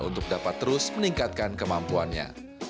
untuk dapat terus meningkatkan kemampuannya